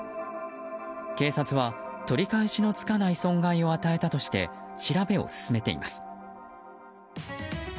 警察は取り返しのつかない損害を与えたとして調べを進めています。